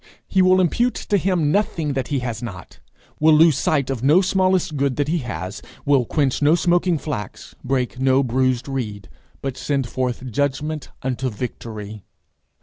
He will impute to him nothing that he has not, will lose sight of no smallest good that he has; will quench no smoking flax, break no bruised reed, but send forth judgment unto victory.